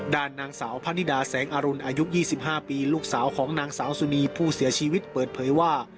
ด้านนางสาวพะนิดาแสงอรุณอายุ๒๕ปีลูกสาวของนางสาวสุนีผู้เสียชีวิตเปิดเผยว่า